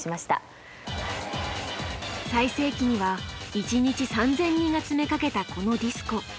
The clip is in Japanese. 最盛期には一日３，０００人が詰めかけたこのディスコ。